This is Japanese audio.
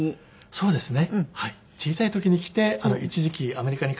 そうですか。